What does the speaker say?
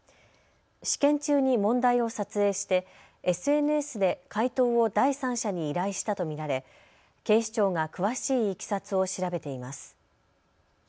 試験中に問題を撮影してＳＮＳで解答を第三者に依頼したと見られ警視庁が詳しいいきさつを調べています。